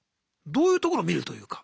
どういうところ見るというか。